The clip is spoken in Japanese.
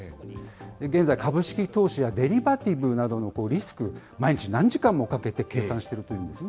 現在、株式投資やデリバティブなどのリスク、毎日何時間もかけて計算しているというんですね。